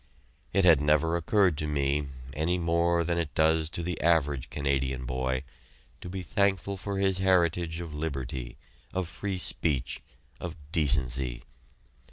It had never occurred to me, any more than it does to the average Canadian boy, to be thankful for his heritage of liberty, of free speech, of decency.